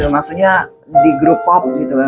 maksudnya di grup pop gitu kan